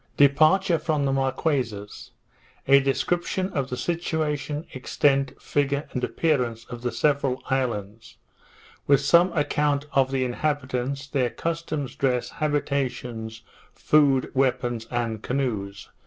_Departure from the Marquesas; a Description of the Situation, Extent, Figure, and Appearance of the several Islands; with some Account of the Inhabitants, their Customs, Dress, Habitations, Food, Weapons, and Canoes.